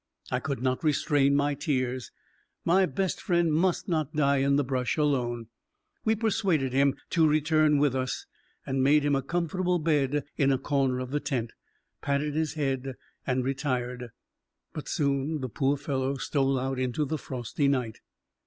I could not restrain my tears. My best friend must not die in the brush alone. We persuaded him to return with us, and made him a comfortable bed in a corner of the tent, patted his head, and retired. But soon the poor fellow stole out into the frosty night.